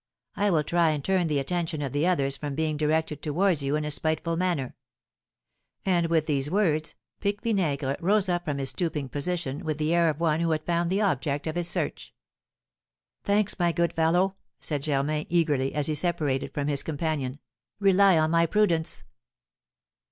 I will try and turn the attention of the others from being directed towards you in a spiteful manner." And, with these words, Pique Vinaigre rose up from his stooping position, with the air of one who had found the object of his search. "Thanks, my good fellow!" said Germain, eagerly, as he separated from his companion; "rely on my prudence!"